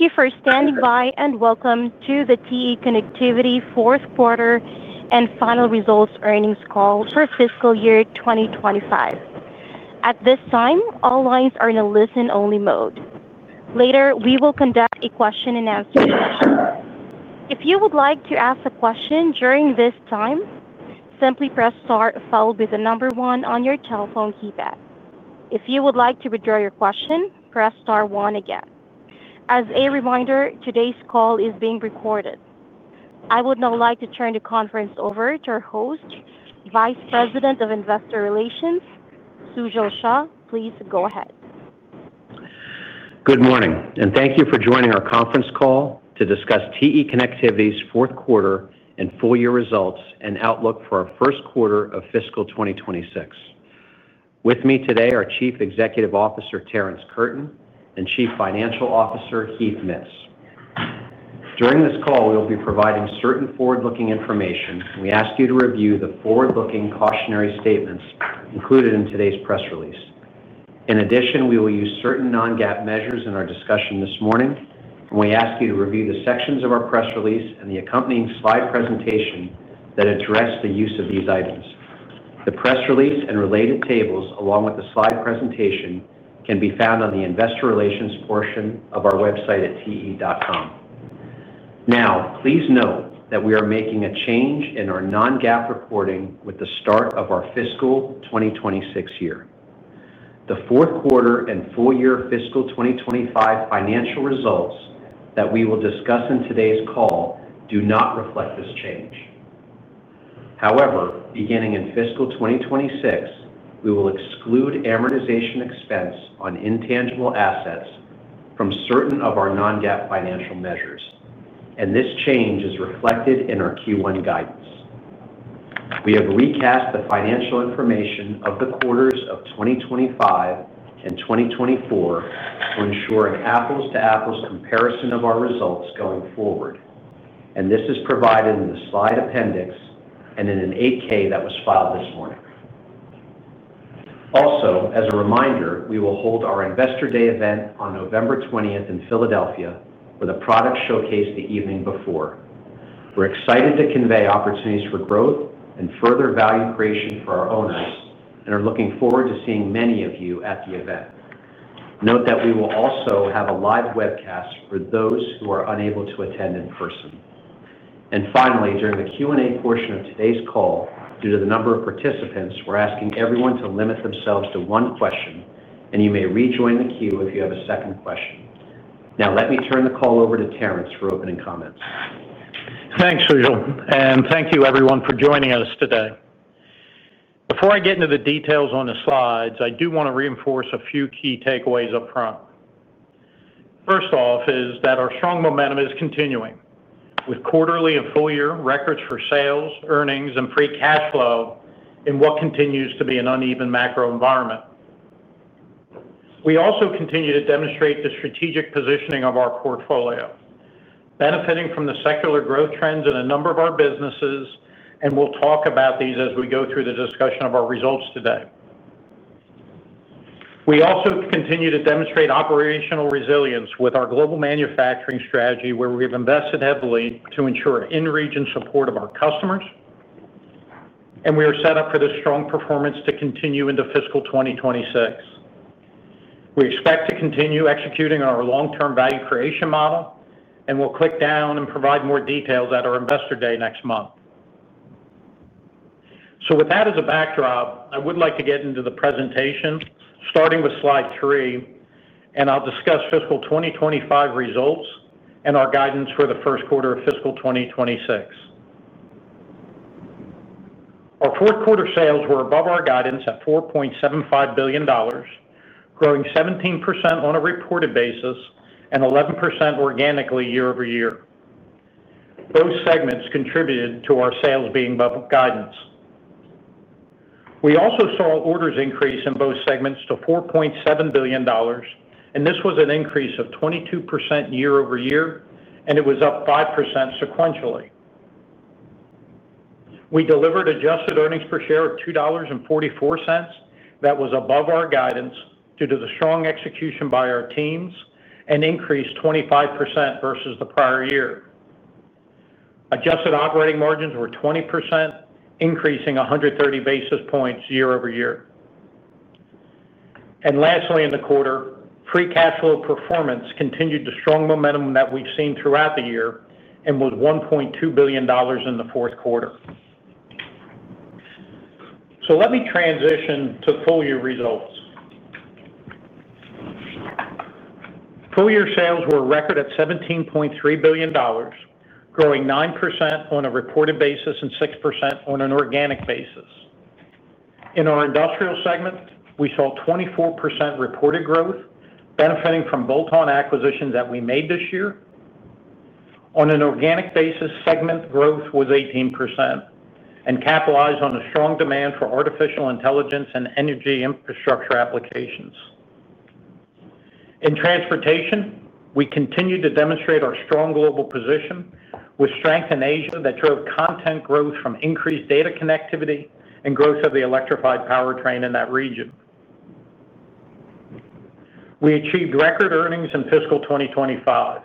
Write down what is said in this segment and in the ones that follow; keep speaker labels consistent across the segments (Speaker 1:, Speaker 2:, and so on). Speaker 1: yThank you for standing by and welcome to the TE Connectivity fourth quarter and final results earnings call for fiscal year 2025. At this time, all lines are in a listen-only mode. Later, we will conduct a question and answer session. If you would like to ask a question during this time, simply press star followed by the number one on your telephone keypad. If you would like to withdraw your question, press star one again. As a reminder, today's call is being recorded. I would now like to turn the conference over to our host, Vice President of Investor Relations, Sujal Shah. Please go ahead.
Speaker 2: Good morning and thank you for joining our conference call to discuss TE Connectivity's fourth quarter and full year results and outlook for our first quarter of fiscal 2026. With me today are Chief Executive Officer Terrence Curtin and Chief Financial Officer Heath Mitts. During this call we will be providing certain forward-looking information. We ask you to review the forward-looking cautionary statements included in today's press release. In addition, we will use certain non-GAAP measures in our discussion this morning and we ask you to review the sections of our press release and the accompanying slide presentation that address the use of these items. The press release and related tables along with the slide presentation can be found on the Investor Relations portion of our website at te.com. Please note that we are making a change in our non-GAAP reporting with the start of our fiscal 2026 year, the fourth quarter and full year fiscal 2025. Financial results that we will discuss in today's call do not reflect this change. However, beginning in fiscal 2026 we will exclude amortization expense on intangible assets from certain of our non-GAAP financial measures and this change is reflected in our Q1 guidance. We have recast the financial information of the quarters of 2025 and 2024 to ensure an apples-to-apples comparison of our results going forward and this is provided in the slide appendix and in an 8-K that was filed this morning. Also, as a reminder, we will hold our Investor Day event on November 20th in Philadelphia with a product showcase the evening before. We're excited to convey opportunities for growth and further value creation for our owners and are looking forward to seeing many of you at the event. Note that we will also have a live webcast for those who are unable to attend in person. Finally, during the Q&A portion of today's call, due to the number of participants, we're asking everyone to limit themselves to one question and you may rejoin the queue if you have a second question. Now let me turn the call over to Terrence for opening comments.
Speaker 3: Thanks and thank you everyone for joining us today. Before I get into the details on the slides, I do want to reinforce a few key takeaways up front. First off is that our strong momentum is continuing with quarterly and full year records for sales, earnings, and free cash flow in what continues to be an uneven macro environment. We also continue to demonstrate the strategic positioning of our portfolio benefiting from the secular growth trends in a number of our businesses, and we'll talk about these as we go through the discussion of our results today. We also continue to demonstrate operational resilience with our global manufacturing strategy, where we have invested heavily to ensure in-region support of our customers, and we are set up for this strong performance to continue into fiscal 2026. We expect to continue executing on our long-term value creation model, and we'll click down and provide more details at our Investor Day next month. With that as a backdrop, I would like to get into the presentation starting with Slide three, and I'll discuss fiscal 2025 results and our guidance for the first quarter of fiscal 2026. Our fourth quarter sales were above our guidance at $4.75 billion, growing 17% on a reported basis and 11% organically year-over-year. Both segments contributed to our sales being above guidance. We also saw orders increase in both segments to $4.7 billion, and this was an increase of 22% year-over-year, and it was up 5% sequentially. We delivered adjusted earnings per share of $2.44 that above our guidance due to the strong execution by our teams and increased 25% versus the prior year. Adjusted operating margins were 20%, increasing 130 basis points year-over-year. Lastly, in the quarter, free cash flow performance continued the strong momentum that we've seen throughout the year and was $1.2 billion in the fourth quarter. Let me transition to full year results. Full year sales were record at $17.3 billion, growing 9% on a reported basis and 6% on an organic basis. In our industrial segment, we saw 24% reported growth benefiting from bolt-on acquisitions that we made this year. On an organic basis, segment growth was 18% and capitalized on a strong demand for artificial intelligence and energy infrastructure applications in transportation. We continue to demonstrate our strong global position with strength in Asia that drove content growth from increased data connectivity and growth of the electrified powertrain in that region. We achieved record earnings in fiscal 2025.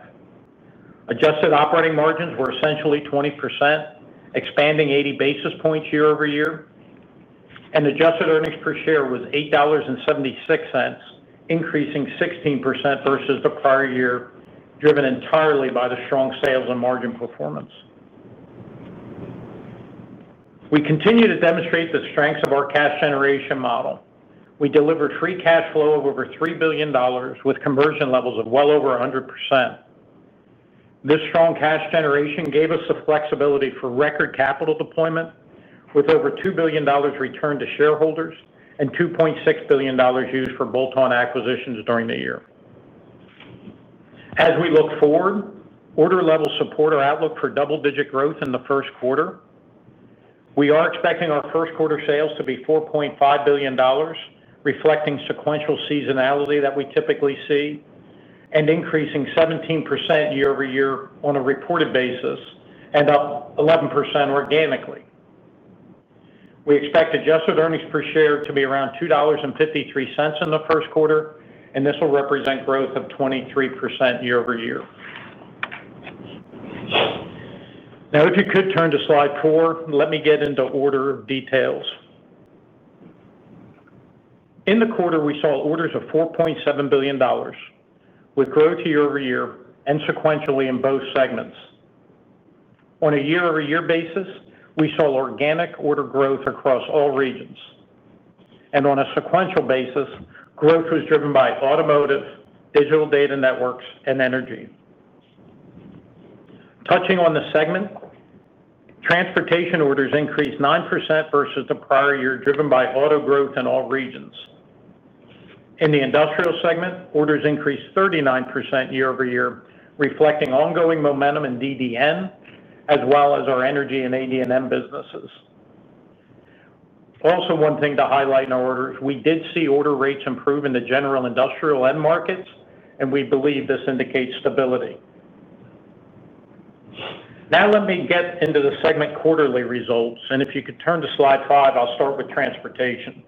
Speaker 3: Adjusted operating margins were essentially 20%, expanding 80 basis points year-over-year, and adjusted EPS was $8.76, increasing 16% versus the prior year, driven entirely by the strong sales and margin performance. We continue to demonstrate the strengths of our cash generation model. We delivered free cash flow of over $3 billion with conversion levels of well over 100%. This strong cash generation gave us the flexibility for record capital deployment with over $2 billion returned to shareholders and $2.6 billion used for bolt-on acquisitions during the year. As we look forward, order levels support our outlook for double-digit growth in the first quarter. We are expecting our first quarter sales to be $4.5 billion, reflecting sequential seasonality that we typically see and increasing 17% year-over-year on a reported basis and up 11% organically. We expect adjusted EPS to be around $2.53 in the first quarter, and this will represent growth of 23% year-over-year. Now if you could turn to Slide four, let me get into order details. In the quarter, we saw orders of $4.7 billion with growth year-over-year and sequentially in both segments. On a year-over-year basis, we saw organic order growth across all regions, and on a sequential basis, growth was driven by automotive, Digital Data & Devices, and energy. Touching on the segment, transportation orders increased 9% versus the prior year, driven by auto growth in all regions. In the industrial segment, orders increased 39% year-over-year, reflecting ongoing momentum in Digital Data & Devices as well as our energy and ADNM businesses. Also, one thing to highlight in our orders, we did see order rates improve in the general industrial end markets, and we believe this indicates stability. Now let me get into the segment quarterly results, and if you could turn to Slide 5, I'll start with transportation.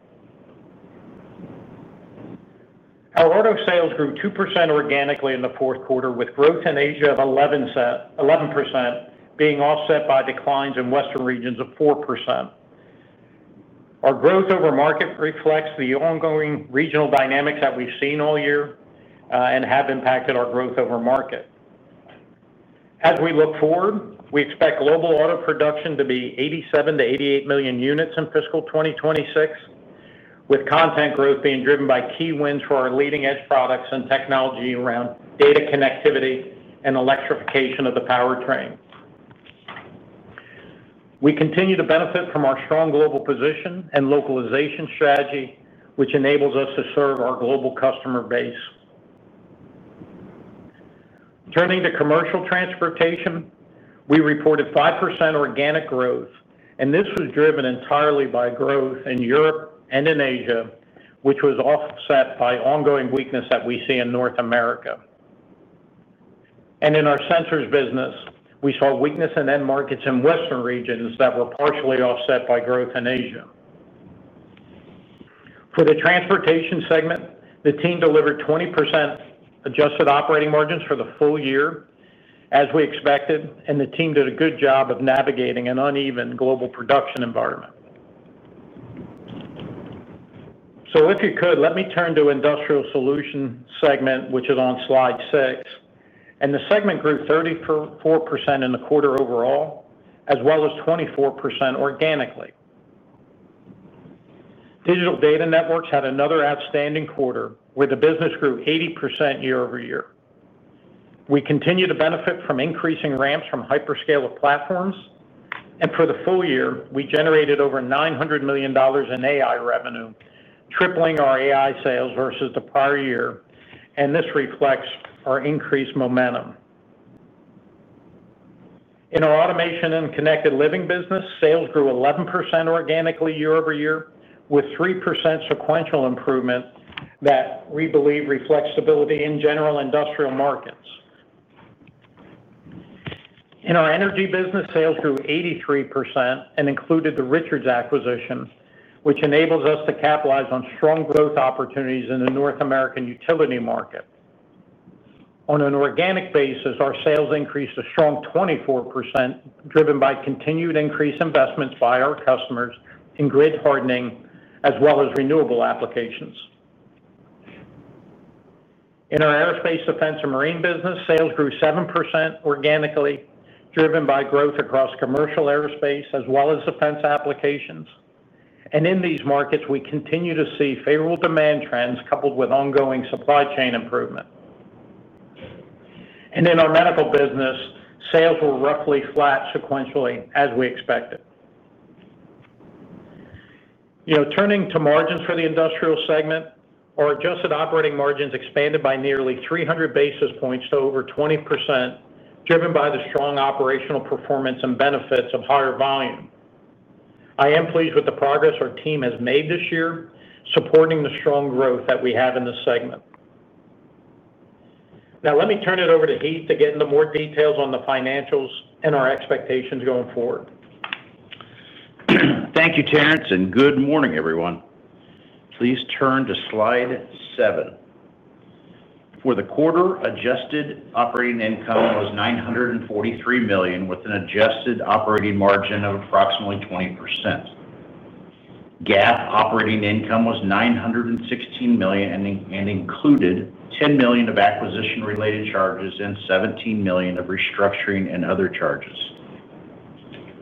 Speaker 3: Our auto sales grew 2% organically in the fourth quarter, with growth in Asia of 11% being offset by declines in Western regions of 4%. Our growth over market reflects the ongoing regional dynamics that we've seen all year and have impacted our growth over market as we look forward. We expect global auto production to be 87 million-88 million units in fiscal 2026 with content growth being driven by key wins for our leading edge products and technology around data connectivity and electrification of the powertrain. We continue to benefit from our strong global position and localization strategy, which enables us to serve our global customer base. Turning to commercial transportation, we reported 5% organic growth, and this was driven entirely by growth in Europe and in Asia, which was offset by ongoing weakness that we see in North America and in our sensors business. We saw weakness in end markets in Western regions that were partially offset by growth in Asia. For the transportation segment, the team delivered 20% adjusted operating margins for the full year as we expected, and the team did a good job of navigating an uneven global production environment. Let me turn to Industrial Solutions segment, which is on Slide six, and the segment grew 34% in the quarter overall, as well as 24% organically. Digital Data & Devices had another outstanding quarter where the business grew 80% year-over-year. We continue to benefit from increasing ramps from hyperscaler platforms, and for the full year we generated over $900 million in AI revenue, tripling our AI sales versus the prior year. This reflects our increased momentum. In our automation and connected living business sales grew 11% organically year-over-year, with 3% sequential improvement that we believe reflects stability in general industrial markets. In our energy business, sales grew 83% and included the Richards acquisition, which enables us to capitalize on strong growth opportunities in the North American utility market. On an organic basis, our sales increased a strong 24% driven by continued increased investments by our customers in grid hardening as well as renewable applications. In our aerospace, defense and marine business, sales grew 7% organically, driven by growth across commercial aerospace as well as defense applications. In these markets, we continue to see favorable demand trends coupled with ongoing supply chain improvement. In our medical business, sales were roughly flat sequentially as we expected. Turning to margins for the industrial segment, our adjusted operating margins expanded by nearly 300 basis points to over 20%, driven by the strong operational performance and benefits of higher volume. I am pleased with the progress our team has made this year supporting the strong growth that we have in this segment. Now let me turn it over to Heath to get into more details on the financials and our expectations going forward.
Speaker 4: Thank you, Terrence, and good morning everyone. Please turn to slide seven. For the quarter, adjusted operating income was $943 million with an adjusted operating margin of approximately 20%. GAAP operating income was $916 million and included $10 million of acquisition related charges and $17 million of restructuring and other charges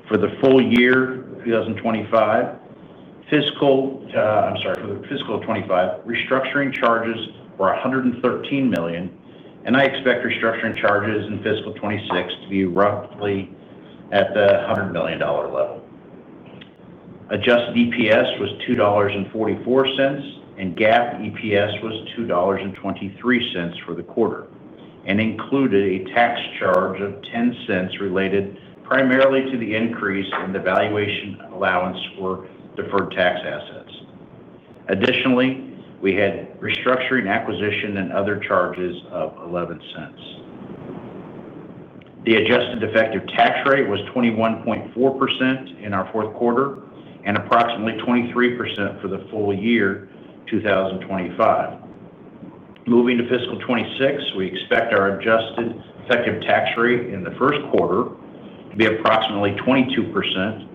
Speaker 4: for the full year 2025 fiscal. For the fiscal 2025 restructuring charges were $113 million and I expect restructuring charges in fiscal 2026 to be roughly at the $100 million level. Adjusted EPS was $2.44 and GAAP EPS was $2.23 for the quarter and included a tax charge of $0.10, related primarily to the increase in the valuation allowance for deferred tax assets. Additionally, we had restructuring, acquisition and other charges of $0.11. The adjusted effective tax rate was 21.4% in our fourth quarter and approximately 23% for the full year 2025. Moving to fiscal 2026, we expect our adjusted effective tax rate in the first quarter to be approximately 22%,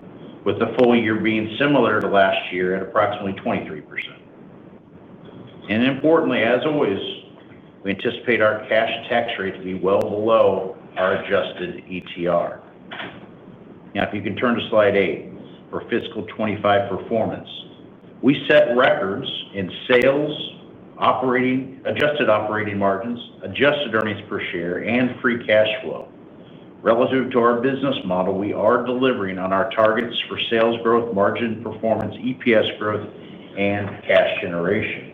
Speaker 4: with the full year being similar to last year at approximately 23%. Importantly, as always, we anticipate our cash tax rate to be well below our adjusted ETR. Now if you can turn to slide eight. For fiscal 2025 performance, we set records in sales, operating, adjusted operating margins, adjusted earnings per share and free cash flow. Relative to our business model, we are delivering on our targets for sales growth, margin performance, EPS growth and cash generation.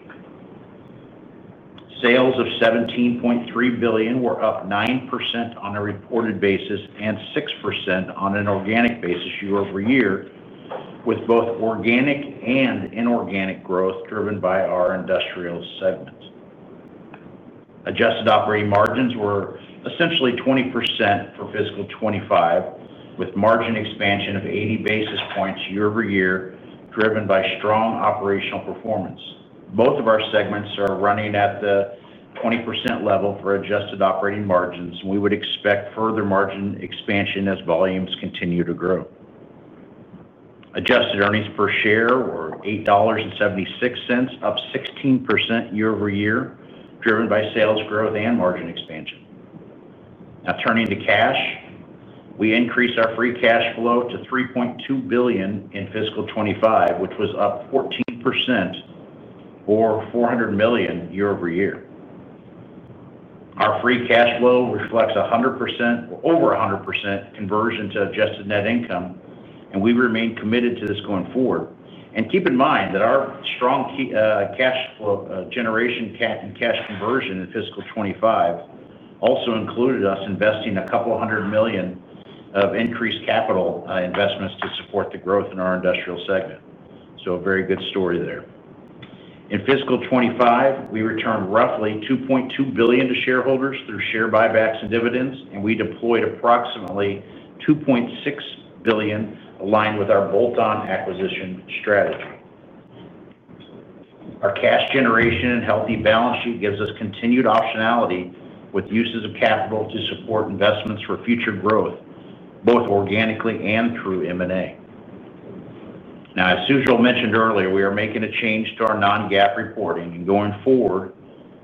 Speaker 4: Sales of $17.3 billion were up 9% on a reported basis and 6% on an organic basis year over year with both organic and inorganic growth driven by our industrial segment. Adjusted operating margins were essentially 20% for fiscal 2025 with margin expansion of 80 basis points year-over-year driven by strong operational performance. Both of our segments are running at the 20% level for adjusted operating margins. We would expect further margin expansion as volumes continue to grow. Adjusted earnings per share were $8.76, up 16% year-over-year driven by sales growth and margin expansion. Now turning to cash, we increased our free cash flow to $3.2 billion in fiscal 2025, which was up 14% or $400 million year-over-year. Our free cash flow reflects over 100% conversion to adjusted net income and we remain committed to this going forward. Keep in mind that our strong cash flow generation and cash conversion in fiscal 2025 also included us investing a couple hundred million of increased capital investments to support the growth in our industrial segment. A very good story there. In fiscal 2025, we returned roughly $2.2 billion to shareholders through share buybacks and dividends, and we deployed approximately $2.6 billion aligned with our bolt-on acquisition strategy. Our cash generation and healthy balance sheet give us continued optionality with uses of capital to support investments for future growth both organically and through M&A. As Sujal mentioned earlier, we are making a change to our non-GAAP reporting. Going forward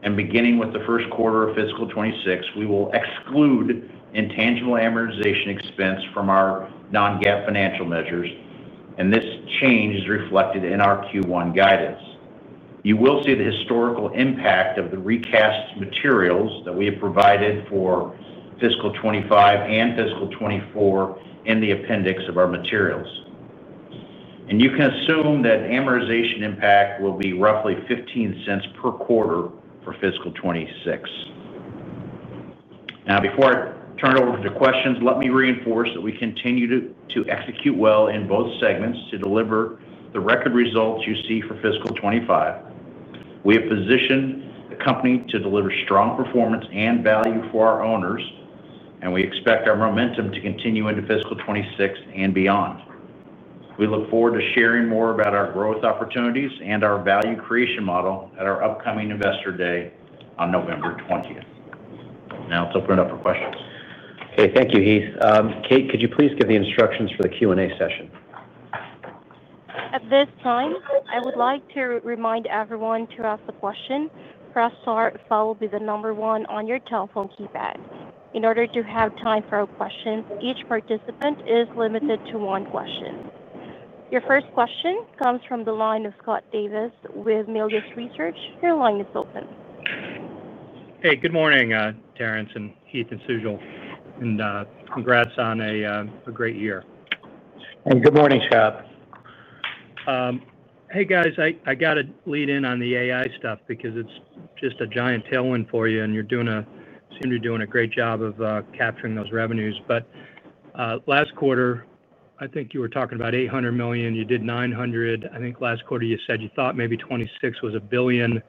Speaker 4: and beginning with the first quarter of fiscal 2026, we will exclude amortization of intangible assets expense from our non-GAAP financial measures, and this change is reflected in our Q1 guidance. You will see the historical impact in the recast materials that we have provided for fiscal 2025 and fiscal 2024 in the appendix of our materials, and you can assume that amortization impact will be roughly $0.15 per quarter for fiscal 2026. Before I turn over to questions, let me reinforce that we continue to execute well in both segments to deliver the record results you see for fiscal 2025. We have positioned the company to deliver strong performance and value for our owners, and we expect our momentum to continue into fiscal 2026 and beyond. We look forward to sharing more about our growth opportunities and our value creation model at our upcoming Investor Day on November 20th. Now, let's open it up for questions.
Speaker 2: Okay, thank you, Heath. Kate, could you please give the instructions for the Q&A session?
Speaker 1: At this time, I would like to remind everyone to ask a question. Press star, followed by the number one on your telephone keypad. In order to have time for questions, each participant is limited to one question. Your first question comes from the line of Scott Davis with Melius Research. Your line is open.
Speaker 5: Hey, good morning Terrence and Heath. Sujal, and congrats on a great year.
Speaker 3: Good morning, Scott.
Speaker 5: Hey guys, I gotta lead in on the AI stuff because it's just a giant tailwind for you and you're doing a, seem to be doing a great job of capturing those revenues. Last quarter I think you were talking about $800 million. You did $900 million. I think last quarter you said you thought maybe 2026 was a billion.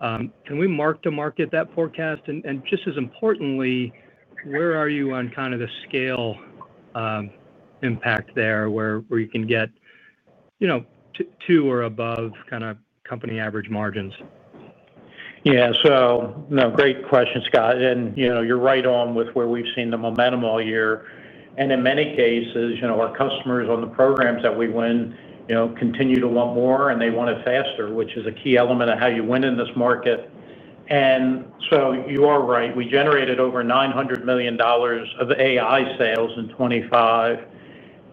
Speaker 5: Can we mark to market that forecast? Just as importantly, where are you on kind of the scale impact there where you can get, you know, two or above kind of company average margins?
Speaker 3: Yeah. No, great question, Scott. You know, you're right on with where we've seen the momentum all year. In many cases, our customers on the programs that we win continue to want more and they want it faster, which is a key element of how you win in this market. You are right. We generated over $900 million of AI sales in 2025,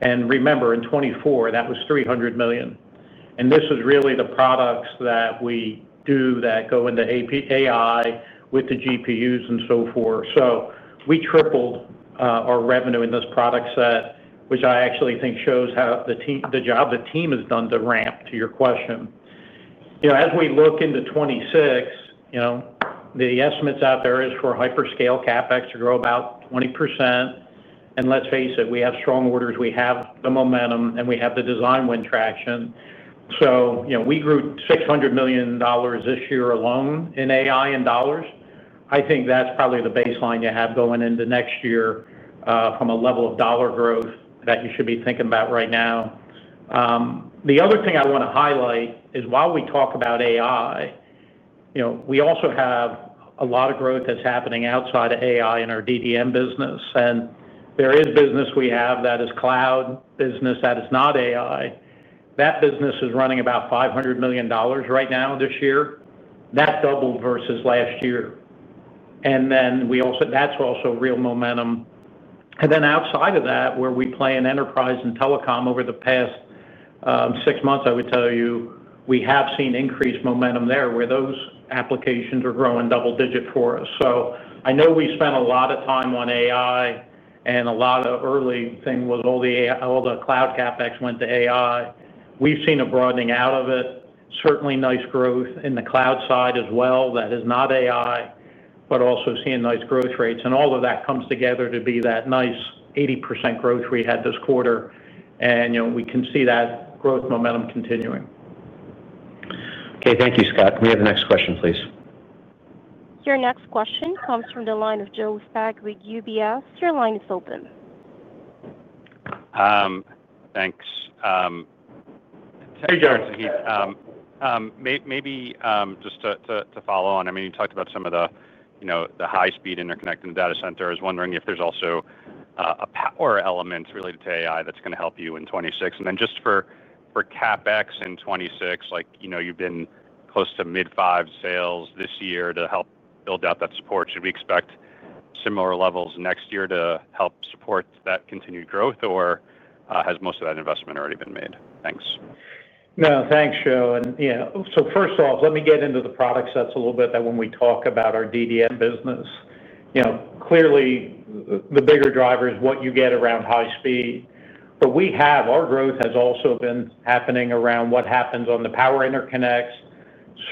Speaker 3: and remember in 2024 that was $300 million. This is really the products that we do that go into AI with the GPUs and so forth. We tripled our revenue in this product set, which I actually think shows the job the team has done to ramp to your question. As we look into 2026, the estimates out there are for hyperscale CapEx to grow about 20%. Let's face it, we have strong orders, we have the momentum, and we have the design win traction. We grew $600 million this year alone in AI in dollars. I think that's probably the baseline you have going into next year from a level of dollar growth that you should be thinking about right now. The other thing I want to highlight is while we talk about AI, we also have a lot of growth that's happening outside of AI in our DDN business, and there is business we have that is cloud business that is not AI. That business is running about $500 million right now this year, that doubled versus last year. That's also real momentum. Outside of that, where we play in enterprise and telecom over the past six months, I would tell you we have seen increased momentum there where those applications are growing double digit for us. I know we spent a lot of time on AI and a lot of early thinking with all the cloud CapEx went to AI. We've seen a broadening out of it. Certainly nice growth in the cloud side as well that is not AI, but also seeing nice growth rates, and all of that comes together to be that nice 80% growth we had this quarter, and we can see that growth momentum continuing.
Speaker 2: Okay, thank you, Scott. We have the next question, please.
Speaker 1: Your next question comes from the line of Joe Stadwiecz, UBS. Your line is open.
Speaker 6: Thanks Terrence Curtin. Maybe just to follow on, I mean you talked about some of the, you. know, the high speed interconnected data center. I was wondering if there's also a Power element related to artificial intelligence (AI) that's going. To help you in 2026 and then just for CapEx in 2026, like you know, you've been close to mid five. Sales this year to help build out that support. Should we expect similar levels next year? To help support that continued growth. Has most of that investment already been made? Thanks.
Speaker 3: No thanks, Joe. First off, let me get into the product sets a little bit. When we talk about our DDN business, clearly the bigger driver is what you get around high speed. Our growth has also been happening around what happens on the power interconnects.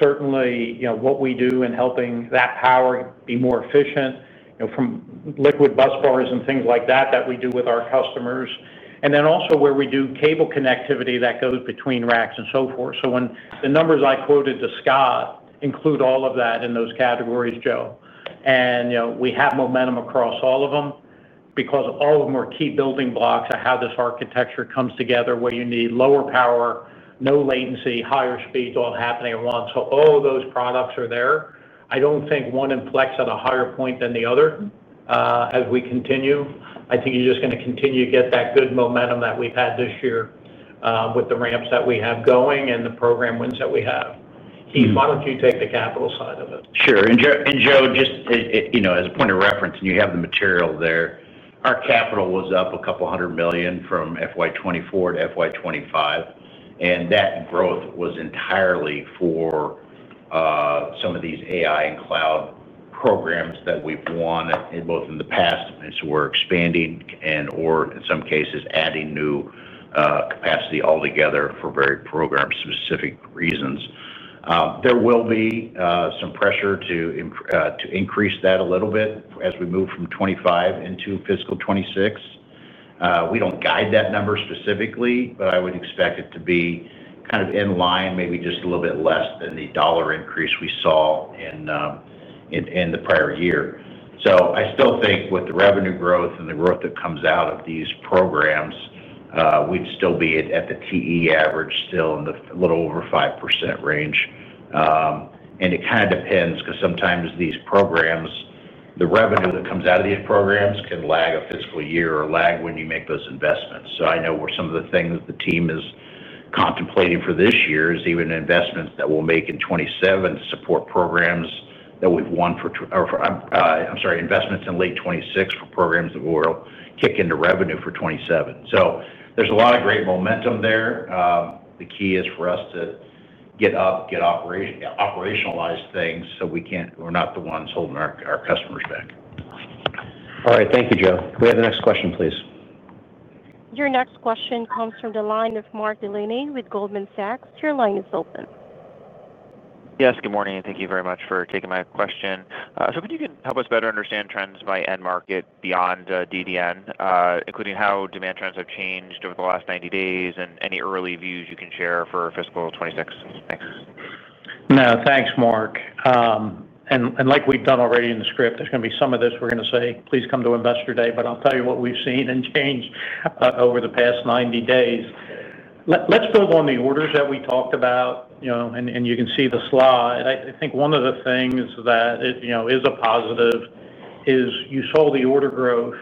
Speaker 3: Certainly, you know what we do in helping that power be more efficient from liquid bus bars and things like that that we do with our customers, and also where we do cable connectivity that goes between racks and so forth. The numbers I quoted to Scott include all of that in those categories, Joe. We have momentum across all of them because all of them are key building blocks of how this architecture comes together where you need lower power, no latency, higher speeds all happening at once. All those products are there. I don't think one inflects at a higher point than the other as we continue. I think you're just going to continue to get that good momentum that we've had this year with the ramps that we have going and the program wins that we have. Heath, why don't you take the capital side of it?
Speaker 4: Sure. Joe, just as a point of reference, and you have the material there, our capital was up a couple hundred million from FY2024 to FY2025. That growth was entirely for some of these AI and cloud programs that we've won both in the past. We're expanding and, in some cases, adding new capacity altogether for very program-specific reasons. There will be some pressure to increase that a little bit as we move from 2025 into fiscal 2026. We don't guide that number specifically, but I would expect it to be kind of in line, maybe just a little bit less than the dollar increase we saw in the prior year. I still think with the revenue growth and the growth that comes out of these programs, we'd still be at the TE average, still in the little over 5% range. It kind of depends because sometimes these programs, the revenue that comes out of these programs can lag a fiscal year or lag when you make those investments. I know where some of the things the team is contemplating for this year is even investments that we'll make in 2027, support programs that we've won for, I'm sorry, investments in late 2026 for programs that will kick into revenue for 2027. There's a lot of great momentum there. The key is for us to get up, get operationalize things so we can't. We're not the ones holding our customers back.
Speaker 2: All right, thank you, Sujal. Can we have the next question, please?
Speaker 1: Your next question comes from the line of Mark Delaney with Goldman Sachs. Your line is open.
Speaker 7: Yes, good morning and thank you very much for taking my question. Could you help us better understand trends by end market beyond DDN, including how demand trends have changed over the last 90 days and any early views you can share for fiscal 2026? Thanks.
Speaker 3: No, thanks, Mark. Like we've done already in the script, there's going to be some of this. We're going to say, please come to Investor Day. I'll tell you what we've seen and change over the past 90 days. Let's build on the orders that we talked about, you know, and you can see the slide. I think one of the things that you know is a positive is you saw the order growth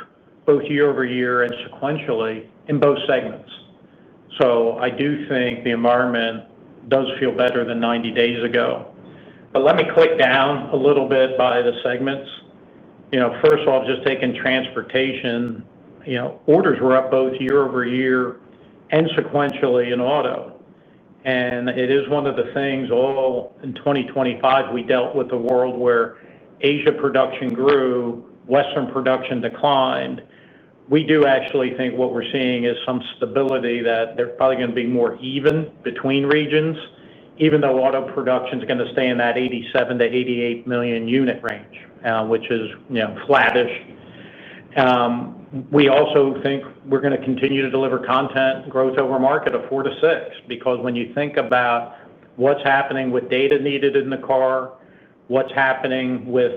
Speaker 3: both year-over-year and sequentially in both segments. I do think the environment does feel better than 90 days ago. Let me click down a little bit by the segments. First of all, just taking transportation, you know, orders were up both year-over-year and sequentially in auto. It is one of the things all in 2025 we dealt with a world where Asia production grew, Western production declined. We do actually think what we're seeing is some stability that they're probably going to be more even between regions. Even though auto production is going to stay in that 87 to 88 million unit range, which is flattish. We also think we're going to continue to deliver content growth over market of 4%-6%. When you think about what's happening with data needed in the car, what's happening with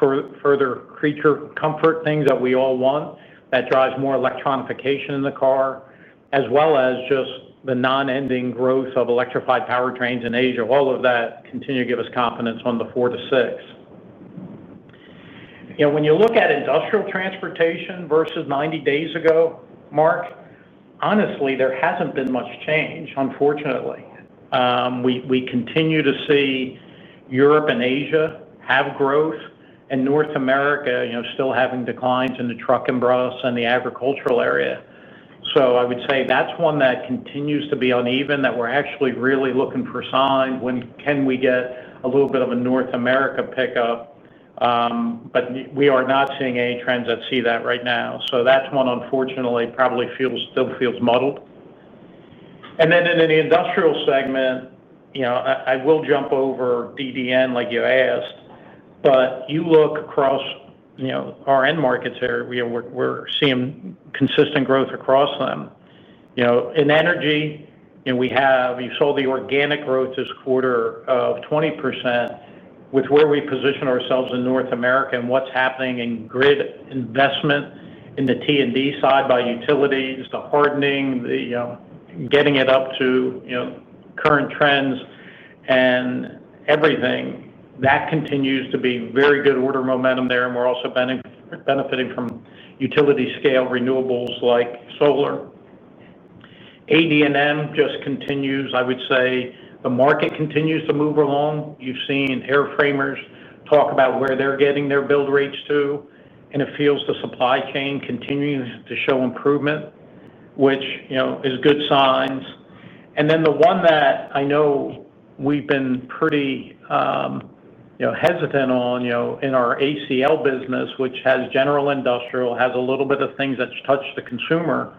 Speaker 3: further creature comfort, things that we all want that drives more electronification in the car as well as just the non-ending growth of electrified powertrains in Asia, all of that continue to give us confidence on the 4%-6%. When you look at industrial transportation versus 90 days ago, Mark, honestly there hasn't been much change unfortunately. We continue to see Europe and Asia have growth and North America, you know, still having declines in the truck and bus and the agricultural area. I would say that's one that continues to be uneven that we're actually really looking for sign when can we get a little bit of a North America pickup. We are not seeing any trends that see that right now. That's one unfortunately probably still feels muddled. In the industrial segment, I will jump over Digital Data & Devices like you asked. You look across, you know, our end markets, we are, we're seeing consistent growth across them, you know, in energy and we have, you saw the organic growth this quarter of 20% with where we position ourselves in North America and what's happening in grid investment in the T&D side by utilities, the hardening, the, you know, getting it up to, you know, current trends and everything. That continues to be very good order momentum there. We're also benefiting from utility scale renewables like Solar AD&M just continues. I would say the market continues to move along. You've seen air framers talk about where they're getting their build rates to, and it feels the supply chain continues to show improvement, which is good signs. The one that I know we've been pretty hesitant on in our ACL business, which has general industrial, has a little bit of things that touch the consumer.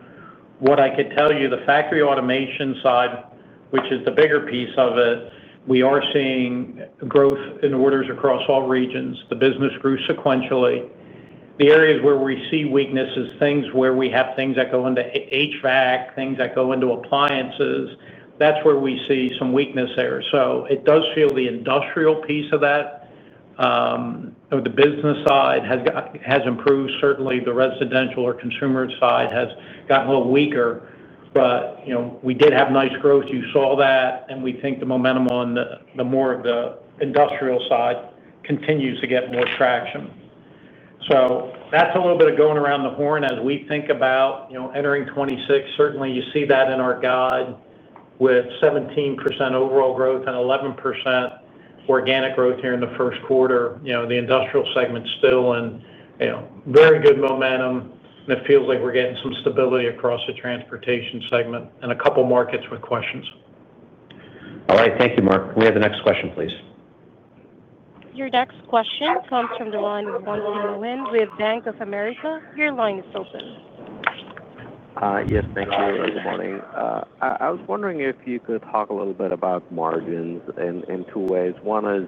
Speaker 3: What I could tell you, the factory automation side, which is the bigger piece of it, we are seeing growth in orders across all regions. The business grew sequentially. The areas where we see weakness are things where we have things that go into HVAC, things that go into appliances. That's where we see some weakness. It does feel the industrial piece of that business side has improved. Certainly, the residential or consumer side has gotten a little weaker. We did have nice growth. You saw that. We think the momentum on more of the industrial side continues to get more traction. That's a little bit of going around the horn as we think about entering 2026. You see that in our guide with 17% overall growth and 11% organic growth here in the first quarter. The industrial segment still has very good momentum, and it feels like we're getting some stability across the transportation segment and a couple markets with questions.
Speaker 2: All right, thank you, Mark. We have the next question, please.
Speaker 1: Your next question comes from the line of Gunars Vinkels with Bank of America. Your line is open.
Speaker 8: Yes, thank you. Good morning. I was wondering if you could talk a little bit about margins in two ways. One is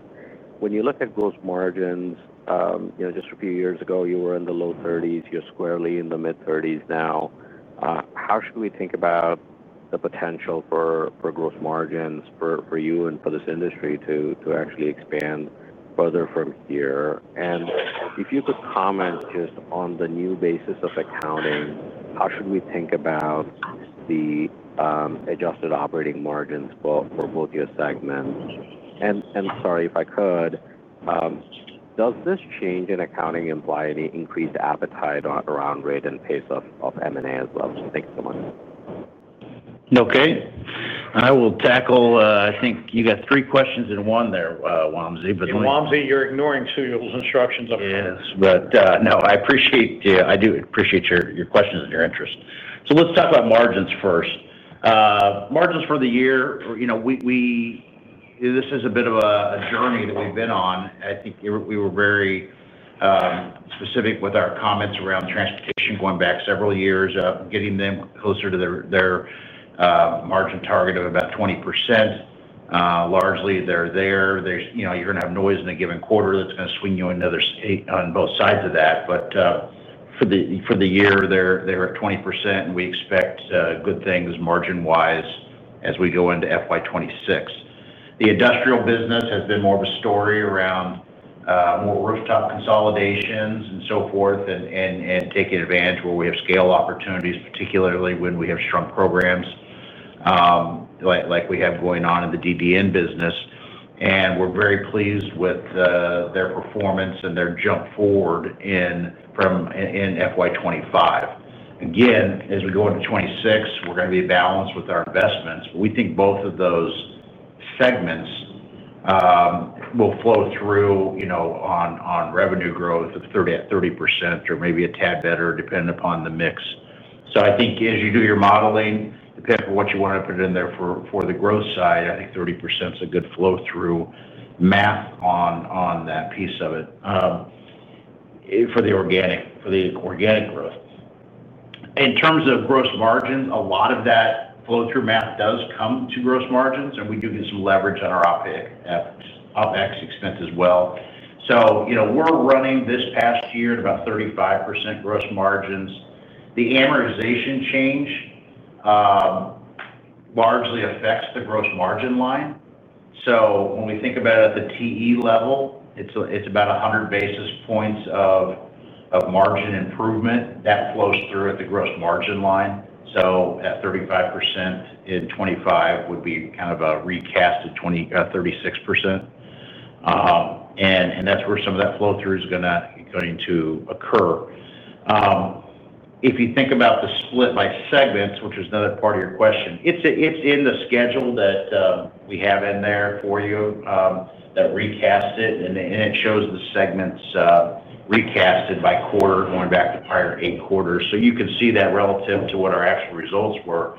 Speaker 8: when you look at gross margins, you know, just a few years ago you were in the low 30%. You're squarely in the mid-30% now. How should we think about the potential for gross margins for you and for this industry to actually expand further from here? If you could comment just on the new basis of accounting, how should we think about the adjusted operating margins for both your segments? Sorry, if I could. Does this change in accounting imply any increased appetite around rate and pace of M&A as well? Thank you so much.
Speaker 3: Okay, I will tackle.
Speaker 4: I think you got three questions in one there, Wamsey.
Speaker 3: Wamsey, you're ignoring Sujal's instructions.
Speaker 4: Yes, I appreciate, I do appreciate your question. Questions in your interest. Let's talk about margins first. Margins for the year. This is a bit of a journey that we've been on. I think we were very specific with our comments around transportation going back several years, getting them closer to their margin target of about 20%. Largely they're there. You're going to have noise in a given quarter that's going to swing you on both sides of that. For the year they're at 20% and we expect good things margin wise as we go into FY2026. The industrial business has been more of a story around more rooftop consolidations and so forth and taking advantage where we have scale opportunities, particularly when we have shrunk programs like we have going on in the Digital Data & Devices business. We're very pleased with their performance and their jump forward in FY2025. As we go into 20226, we're going to be balanced with our investments. We think both of those segments will flow through on revenue growth of 30% or maybe a tad better depending upon the mix. I think as you do your modeling, depending on what you want to put in there for the growth side, I think 30% is a good flow through math on that piece of it for the organic growth. In terms of gross margins, a lot of that flow through math does come to gross margins and we do get some leverage on our OpEx expense as well. We're running this past year at about 35% gross margins. The amortization change largely affects the gross margin line. When we think about it at the TE Connectivity level it's about 100 basis points of margin improvement that flows through at the gross margin line. At 35% in 2025 would be kind of a recasted 2020, 36%. That's where some of that flow through is going to occur. If you think about the split by segments, which is another part of your question, it's in the schedule that we have in there for you that recasts it and it shows the segments recasted by quarter going back to prior eight quarters. You can see that relative to what our actual results were.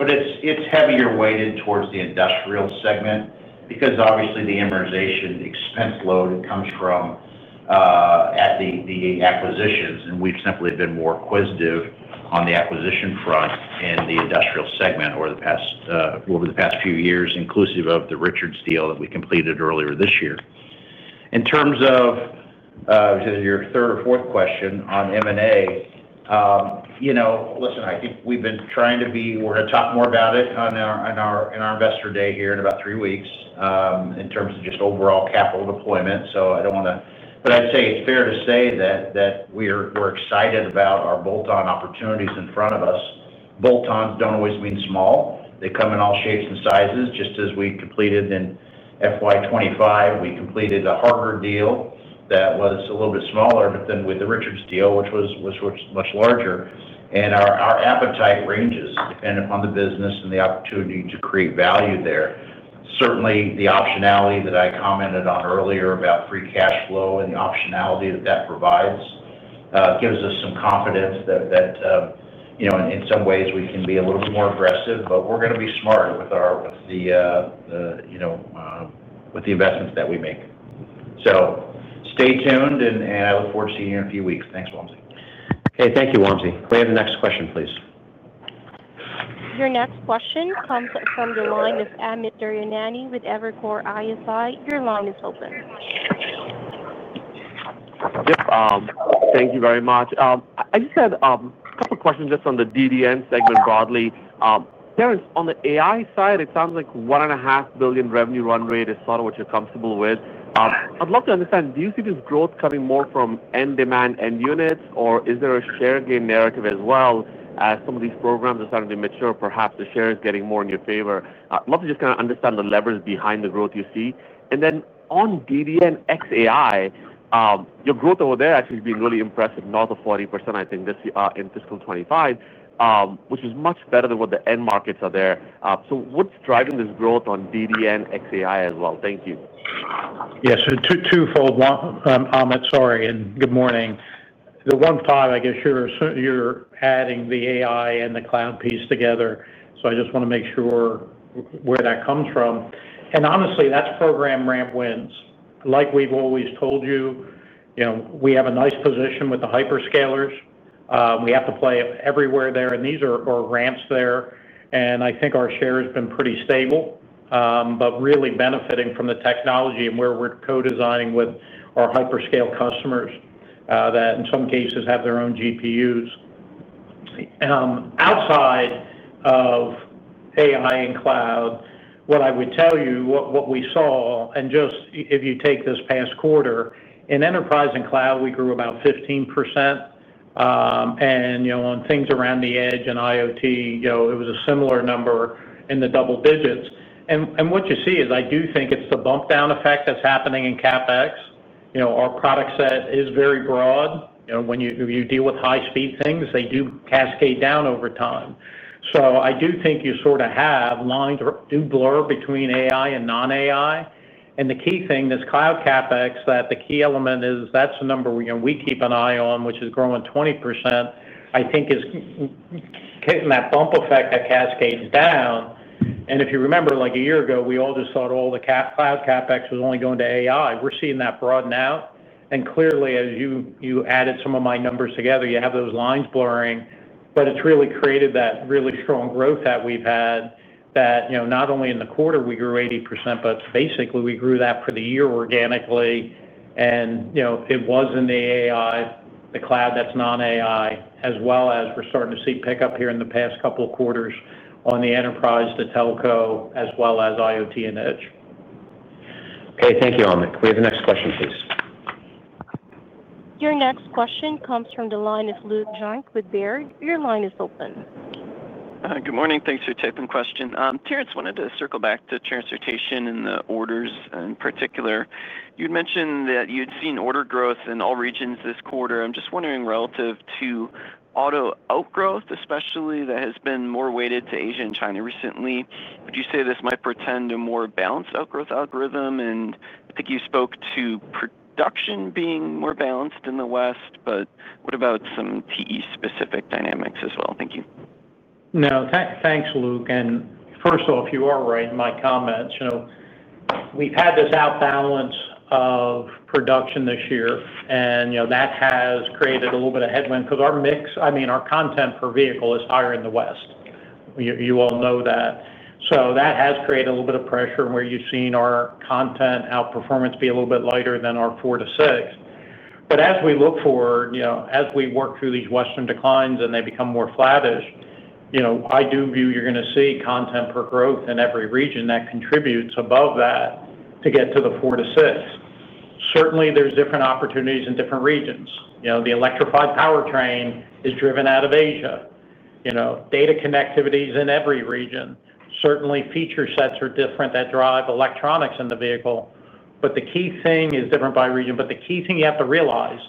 Speaker 4: It's heavier weighted towards the industrial segment because obviously the amortization, the expense load comes from the acquisitions and we've simply been more acquisitive on the acquisition front in the industrial segment over the past few years inclusive of the Richards deal that we completed earlier this year. In terms of your third or fourth question on M&A, I think we've been trying to be. We're going to talk more about it on our Investor Day here in about three weeks in terms of just overall capital deployment. I don't want to, but I'd say it's fair to say that we are excited about our bolt-on opportunities in front of us. Bolt-ons don't always mean small. They come in all shapes and sizes, just as we completed in FY2025. We completed a harbor deal that was a little bit smaller, but then with the Richards deal, which was much larger. Our appetite ranges depending upon the business and the opportunity to grow, create value there. Certainly, the optionality that I commented on earlier about free cash flow and the optionality that provides gives us some confidence that in some ways we can be a little bit more aggressive. We're going to be smart with the investments that we make. Stay tuned and I look forward to seeing you in a few weeks. Thanks, Wamsey.
Speaker 2: Okay, thank you. Wamsey, we have the next question, please.
Speaker 1: Your next question comes from the line of Amit Daryanani with Evercore ISI. Your line is open.
Speaker 9: Thank you very much. I just had a couple of questions just on the DDN segment, broadly, Terrence, on the AI side, it sounds like $1.5 billion revenue run rate is sort of what you're comfortable with. I'd love to understand. Do you see this growth coming more from end demand, end units, or is there a share gain narrative as well as some of these programs are starting to mature, perhaps the share is getting more in your favor? I'd love to just kind of understand the levers behind the growth you see. On DDN XAI, your growth over there actually has been really impressive, north of 40% I think this in fiscal 2025, which is much better than what the end markets are there. What's driving this growth on DDN XAI as well? Thank you.
Speaker 3: Yes, twofold. Sorry and good morning. The 1.5, I guess you're adding the AI and the cloud piece together. I just want to make sure where that comes from. Honestly, that's program ramp wins like we've always told you. We have a nice position with the hyperscalers. We have to play everywhere there, and these are ramps there. I think our share has been pretty stable but really benefiting from the technology and where we're co-designing with our hyperscale customers that in some cases have their own GPUs. Outside of AI and cloud, what I would tell you, if you take this past quarter in enterprise and cloud, we grew about 15%, and on things around the edge and IoT it was a similar number in the double digits. What you see is, I do think it's the bump down effect that's happening in CapEx. Our product set is very broad. When you deal with high-speed things, they do cascade down over time. I do think you sort of have lines do blur between AI and non-AI. The key thing, this cloud CapEx, the key element is that's the number we keep an eye on, which is growing 20%. I think it's getting that bump effect that cascades down. If you remember, like a year ago, we all just thought all the cloud CapEx was only going to AI. We're seeing that broaden out. Clearly, as you added some of my numbers together, you have those lines blurring. It's really created that really strong growth that we've had. Not only in the quarter we grew 80%, but basically we grew that for the year organically. It was in the AI, the cloud that's non-AI, as well as we're starting to see pickup here in the past couple of quarters on the enterprise, the telco, as well as IoT and edge.
Speaker 2: Okay, thank you, Amit. Can we have the next question, please?
Speaker 1: Your next question comes from the line of Luke Junk with Baird. Your line is open.
Speaker 10: Good morning. Thanks for your question. Terrence, wanted to circle back to transportation and the orders in particular. You'd mentioned that you'd seen order growth in all regions this quarter. I'm just wondering, relative to auto outgrowth especially, that has been more weighted to Asia and China recently, would you say this might portend a more balanced outgrowth algorithm? I think you spoke to production being more balanced in the West, but what about some TE specific dynamics as well? Thank you.
Speaker 3: No thanks, Luke. First off, you are right in my comments. We've had this out balance of production this year, and that has created a little bit of headwind because our mix, I mean, our content per vehicle is higher in the West, you all know that. That has created a little bit of pressure where you've seen our content outperformance be a little bit lighter than our 4%-6%. As we look forward, as we work through these Western declines and they become more flattish, I do view you're going to see content per growth in every region that contributes above that to get to the 4%-6%. Certainly there's different opportunities in different regions. The electrified powertrain is driven out of Asia. Data connectivity is in every region. Certainly feature sets are different that drive electronics in the vehicle. The key thing is different by region, but the key thing you have to realize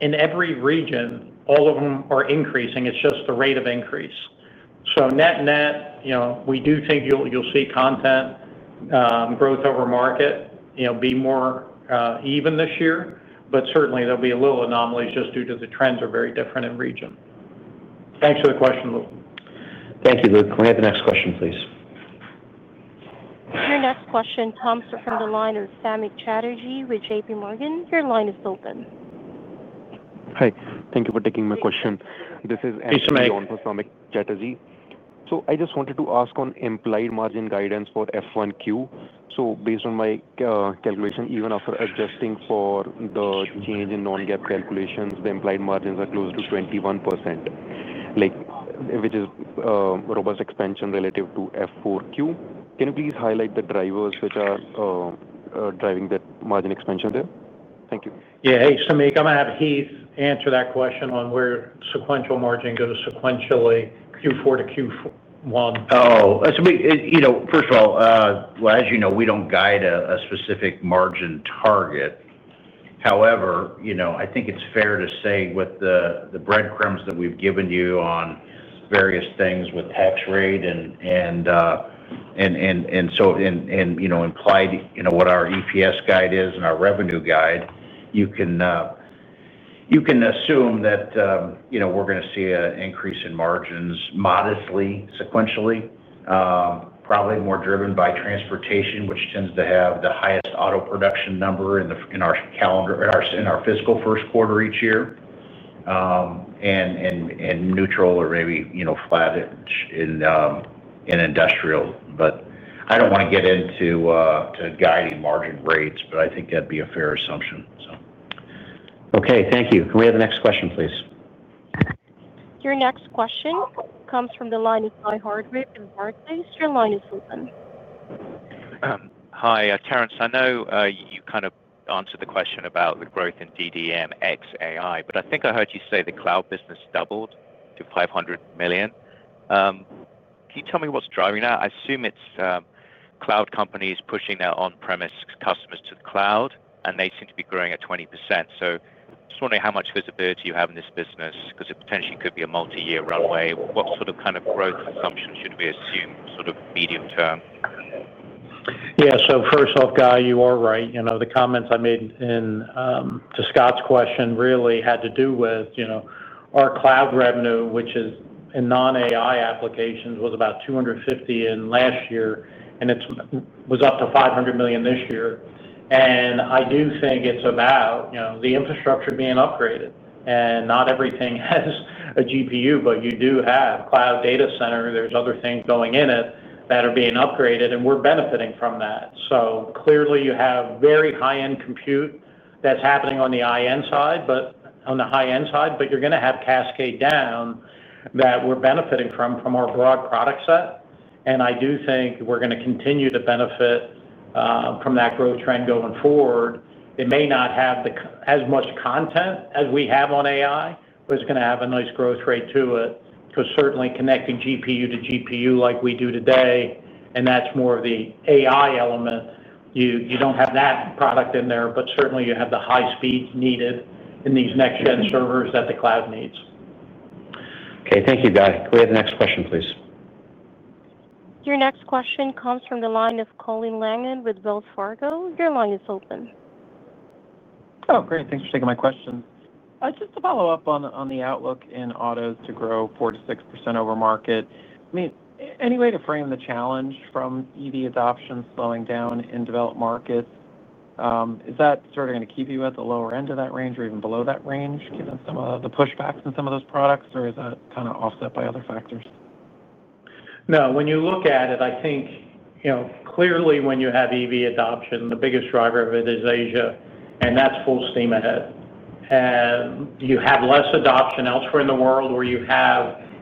Speaker 3: in every region, all of them are increasing. It's just the rate of increase. Net net, we do think you'll see content growth over market be more even this year. Certainly there'll be a little anomalies just due to the trends are very different in region. Thanks for the question.
Speaker 2: Thank you. Luke, can we have the next question, please?
Speaker 1: Your next question comes from the line of Samik Chatterjee with JP Morgan. Your line is open.
Speaker 11: Hi, thank you for taking my question strategy. I just wanted to ask on implied margin guidance for F1Q. Based on my calculation, even after adjusting for the change in non-GAAP calculations, the implied margins are close to 21%, which is robust expansion relative to F4Q. Can you please highlight the drivers which are driving that margin expansion there? Thank you.
Speaker 3: Yeah. Hey Shamik, I'm going to have Heath answer that question on where sequential margin go to sequentially Q4 to Q1.
Speaker 4: Oh, first of all, as you know, we don't guide a specific margin target. However, I think it's fair to say with the breadcrumbs that we've given you on various things with tax rate and, and so, and you know, implied, you know what our EPS guide is and our revenue guide. You can assume that we're going to see an increase in margins modestly, sequentially, probably more driven by transportation, which tends to have the highest auto production number in our calendar in our fiscal first quarter each year. Year. Neutral or maybe flattish in industrial. I don't want to get into guiding margins, but I think that'd be a fair assumption.
Speaker 2: Okay, thank you. Can we have the next question, please?
Speaker 1: Your next question comes from the line of IHardvarkList. Your line is open. Hi Terrence, I know you kind of answered the question about the growth in DDN AI, but I think I heard you say the cloud business doubled to $500 million. Can you tell me what's driving that? I assume it's cloud companies pushing their on premise customers to the cloud and they seem to be growing at 20%. Just wondering how much visibility you have in this business because it potentially could be a multi-year runway. What sort of growth assumption should we assume, sort of medium term.
Speaker 3: Yeah, so first off Guy, you are right. The comments I made in to Scott's question really had to do with our cloud revenue, which is in non-AI applications, was about $250 million last year and it was up to $500 million this year. I do think it's about the infrastructure being upgraded. Not everything has a GPU, but you do have cloud data center. There are other things going in it that are being upgraded and we're benefiting from that. You have very high-end compute that's happening on the inside, but on the high-end side, you're going to have cascade down that we're benefiting from from our broad product set. I do think we're going to continue to benefit from that growth trend going forward. It may not have as much content as we have on AI, but it's going to have a nice growth rate to it because certainly connecting GPU to GPU like we do today, and that's more of the AI element, you don't have that product in there, but certainly you have the high speed needed in these next-gen servers that the cloud needs.
Speaker 2: Okay, thank you. Can we have the next question, please?
Speaker 1: Your next question comes from the line of Colleen Langan with Wells Fargo. Your line is open.
Speaker 12: Oh great. Thanks for taking my question. Just to follow up on the outlook. In autos to grow 4%-6% over market. I mean, any way to frame this. Challenge from EV adoption slowing down. Developed markets, is that sort of going? To keep you at the lower end of that range or even below that. Range given some of the pushbacks in some of those products, or is that kind of offset by other factors?
Speaker 3: No. When you look at it, I think you know clearly when you have EV adoption, the biggest driver of it is Asia, and that's full steam ahead. You have less adoption elsewhere in the world where you're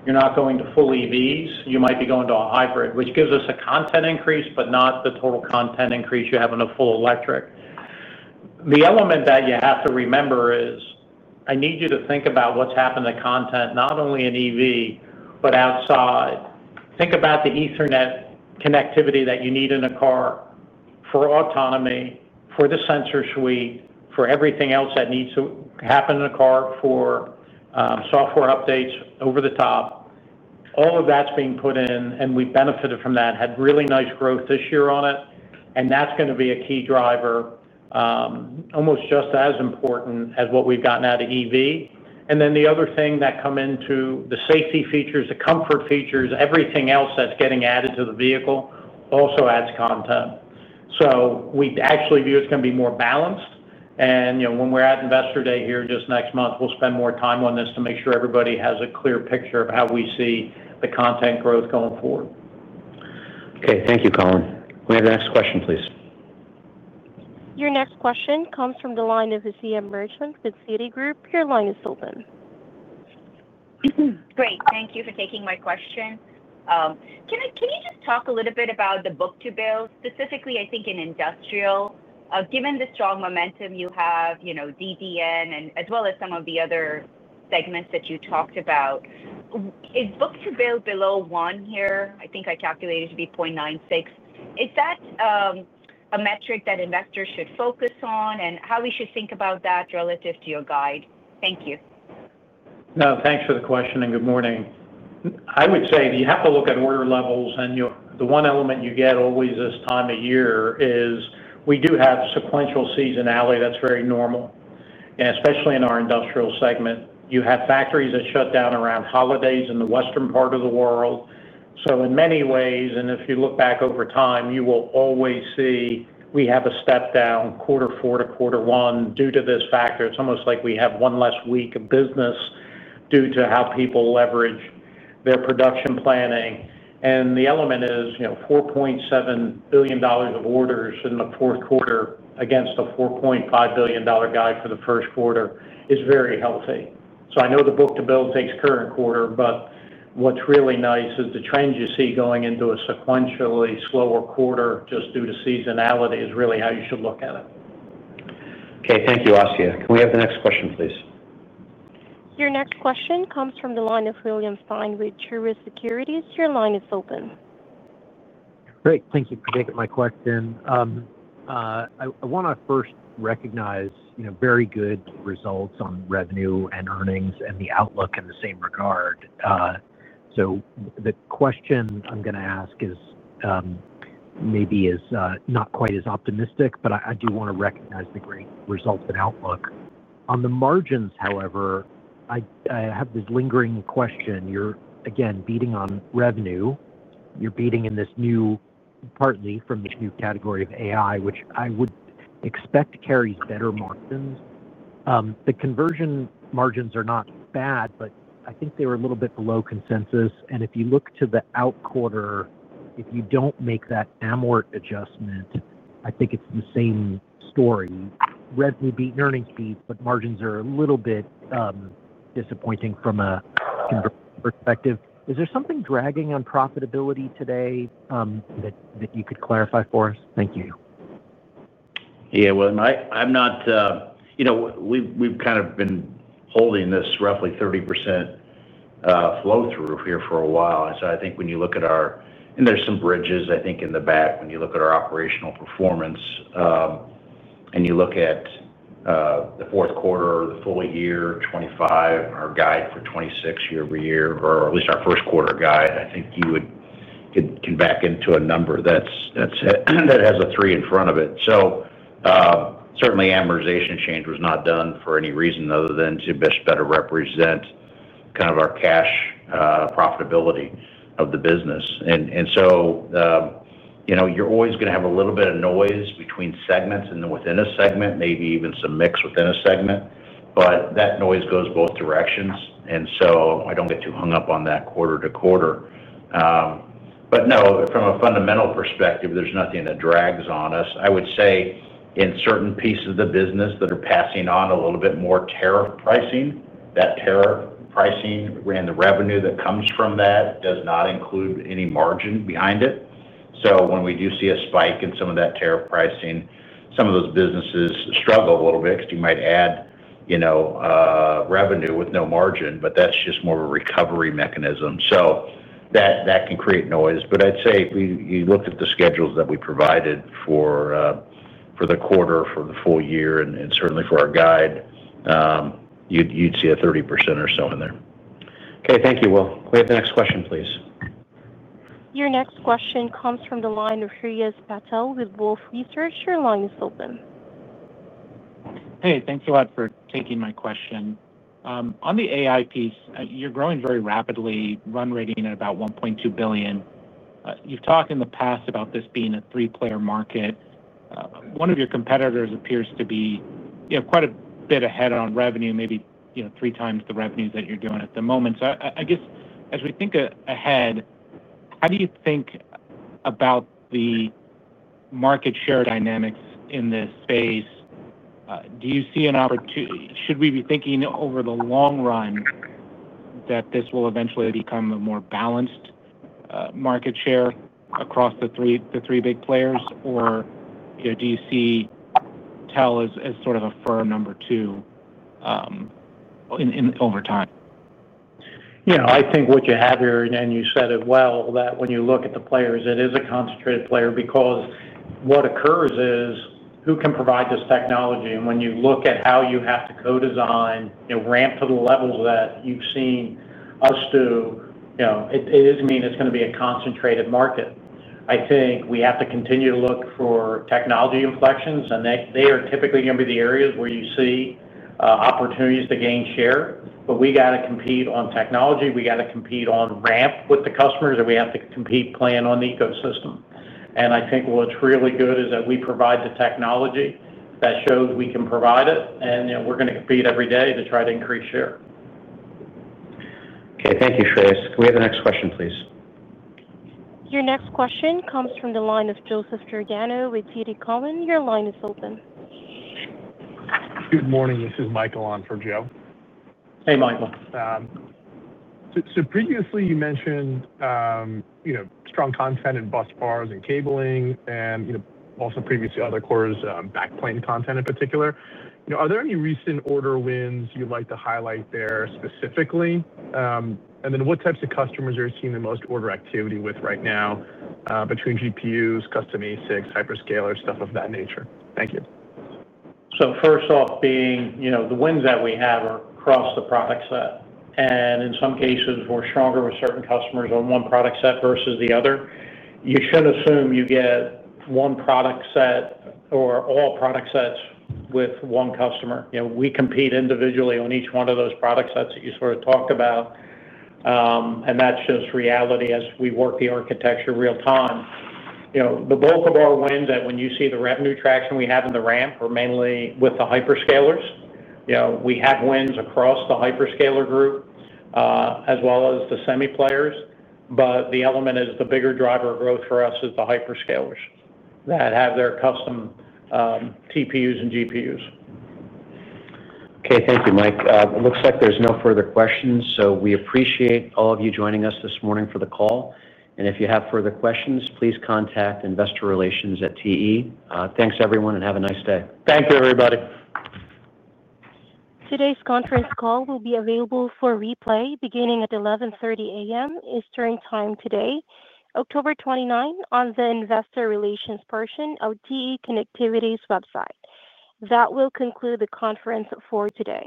Speaker 3: not going to fully EVs, you might be going to a hybrid, which gives us a kind of content increase, but not the total content increase you have in a full electric. The element that you have to remember is I need you to think about what's happened to content not only in EV, but outside. Think about the Ethernet connectivity that you need in a car, for autonomy, for the sensor suite, for everything else that needs to happen in a car, for software updates over the top. All of that's being put in, and we benefited from that, had really nice growth this year on it. That's going to be a key driver, almost just as important as what we've gotten out of EV. The other thing that comes into the safety features, the comfort features, everything else that's getting added to the vehicle also adds content. We actually view it's going to be more balanced. When we're at Investor Day here just next month, we'll spend more time on this to make sure everybody has a clear, clear picture of how we see the content growth going forward.
Speaker 2: Okay, thank you. Colleen, we have the next question, please.
Speaker 1: Your next question comes from the line of Asiya Merchants with Citigroup. Your line is open.
Speaker 13: Great. Thank you for taking my question. Can you just talk a little bit about the book to bill, specifically I think in industrial, given the strong momentum you have in Digital Data & Devices as well as some of the other segments that you talked about? Is book to bill below one here? I think I calculated it to be 0.96. Is that a metric that investors should focus on and how we should think about that relative to your guide? Thank you.
Speaker 3: No, thanks for the question and good morning. I would say that you have to look at order levels, and the one element you get always this time of year is we do have sequential seasonality. That's very normal, especially in our industrial segment. You have factories that shut down around holidays in the western part of the world. In many ways, if you look back over time, you will always see we have a step down quarter four to quarter one due to this factor. It's almost like we have one less week of business due to how people leverage their production planning. The element is, you know, $4.7 billion of orders in the fourth quarter against a $4.5 billion guide for the first quarter is very healthy. I know the book to bill takes current quarter, but what's really nice is the trend you see going into a sequentially slower quarter just due to seasonality is really how you should look at it.
Speaker 2: Okay, thank you, Asiya. Can we have the next question, please?
Speaker 1: Your next question comes from the line of William Stein with Truist Securities. Your line is open.
Speaker 14: Great. Thank you for taking my question. I want to first recognize very good results on revenue and earnings and the outlook in the same regard. The question I'm going to ask is maybe is not quite as optimistic but I do want to recognize the great results and outlook on the margins. However, I have this lingering question. You're again beating on revenue. You're beating in this new partly from this new category of AI which I would expect carries better margins. The conversion margins are not bad but I think they were a little bit below consensus. If you look to the out quarter, if you don't make that amortization adjustment, I think it's the same story. Revenue beat, earnings beats, but margins are a little bit disappointing from a perspective. Is there something dragging on profitability today that you could clarify for us? Thank you.
Speaker 4: I'm not, you know, we've kind of been holding this roughly 30% flow through here for a while. I think when you look at our, and there's some bridges, I think in the back. When you look at our operational performance and you look at the fourth quarter, the full year, 2025, our guide for 2026 year-over-year, or at least our first quarter guide, I think you would come back into a number that's, that's, that has a three in front of it. Certainly amortization change was not done for any reason other than to best better represent kind of our cash profitability of the business. You're always going to have a little bit of noise between segments and within a segment, maybe even some mix within a segment. That noise goes both directions. I don't get too hung up on that quarter to quarter. No, from a fundamental perspective, there's nothing that drags on us. I would say in certain pieces of the business that are passing on a little bit more tariff pricing, that tariff pricing, we, and the revenue that comes from that does not include any margin behind it. When we do see a spike in some of that tariff pricing, some of those businesses struggle a little bit because you might add, you know, revenue with no margin, but that's just more of a recovery mechanism. That can create noise. I'd say we looked at the schedules that we provided for the quarter, for the full year, and certainly for our guidelines, you'd see a 30% or so in there.
Speaker 2: Okay, thank you. Will we have the next question, please?
Speaker 1: Your next question comes from the line of Sriyaz Patel with Wolfe Research. Your line is open.
Speaker 15: Hey, thanks a lot for taking my question. On the AI piece, you're growing very rapidly, run rating at about $1.2 billion. You've talked in the past about this being a three player market. One of your competitors appears to be quite a bit ahead on revenue, maybe 3x the revenues that you're doing at the moment. As we think ahead. How do you think about the market share dynamics in this space? Do you see an opportunity, should we be thinking over the long run that this will eventually become a more balanced market share across the three, the three big players? Do you see TE Connectivity as sort of a firm number two over time?
Speaker 3: You know, I think what you have here, and you said it well, that when you look at the players, it is a concentrated player because what occurs is who can provide this technology, and when you look at how you have to co-design and ramp to the levels that you've seen us do, it doesn't mean it's going to be a concentrated market. I think we have to continue to look for technology inflections, and they are typically going to be the areas where you see opportunities to gain share. We got to compete on technology, we got to compete on ramp with the customers, and we have to compete playing on the ecosystem. I think what's really good is that we provide the technology that shows we can provide it, and we're going to compete every day to try to increase share.
Speaker 2: Okay, thank you, Shreyas. Can we have the next question, please?
Speaker 1: Your next question comes from the line of Joseph Giordano with TD Cowen. Your line is open.
Speaker 16: Good morning, this is Michael on for Joe.
Speaker 3: Hey Michael.
Speaker 16: Previously you mentioned strong content in bus bars and cabling, and also previously other cores, backplane content in particular. Are there any recent order wins you'd like to highlight there specifically? What types of customers are seeing the most order activity right now between GPUs, custom ASICs, hyperscalers, stuff of that nature? Thank you.
Speaker 3: First off, the wins that we have are across the product set, and in some cases we're stronger with certain customers on one product set versus the other. You should assume you get one product set or all product sets with one customer. We compete individually on each one of those product sets that you sort of talked about, and that's just reality as we work the architecture real time. The bulk of our wins, when you see the revenue traction we have in the ramp, are mainly with the hyperscalers. We have wins across the hyperscaler group as well as the semi players. The element is the bigger driver of growth for us is the hyperscalers that have their custom TPUs and GPUs.
Speaker 2: Okay, thank you Mike. It looks like there's no further questions. We appreciate all of you joining us this morning for the call. If you have further questions, please contact Investor Relations. Thanks everyone and have a nice day.
Speaker 3: Thank you everybody.
Speaker 1: Today's conference call will be available for replay beginning at 11:30 A.M. Eastern Time today, October 29 on the Investor Relations portion of TE Connectivity's website. That will conclude the conference for today.